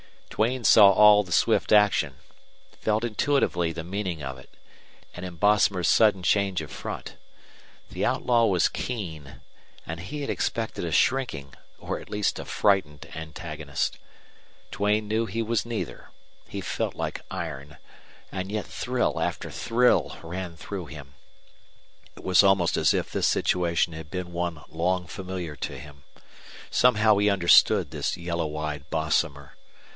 Duane saw all the swift action, felt intuitively the meaning of it, and in Bosomer's sudden change of front. The outlaw was keen, and he had expected a shrinking, or at least a frightened antagonist. Duane knew he was neither. He felt like iron, and yet thrill after thrill ran through him. It was almost as if this situation had been one long familiar to him. Somehow he understood this yellow eyed Bosomer.